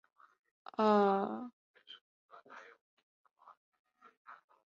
希望穿越时空